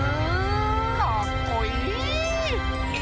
かっこいい！